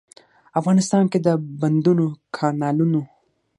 افغانستان کې د بندونو، کانالونو.